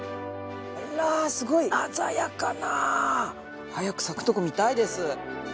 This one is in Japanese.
あらすごい鮮やかな。早く咲くとこ見たいです。